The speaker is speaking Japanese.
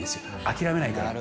諦めないから。